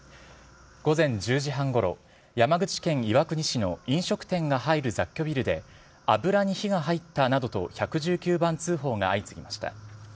午前１０時半ごろ山口県岩国市の飲食店が入る雑居ビルで油に火が入ったなどと１１９番通報が相次ぎました。